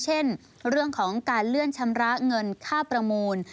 เช่นเรื่องของการเลื่อนชำระเงินค่าประมูล